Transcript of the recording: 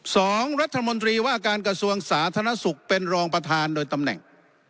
สองรัฐมนตรีว่าการกระทรวงสาธารณสุขเป็นรองประธานโดยตำแหน่ง